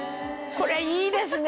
これいいですね！